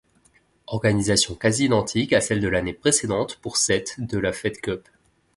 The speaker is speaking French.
Organisation quasi identique à celle de l'année précédente pour cette de la Fed Cup.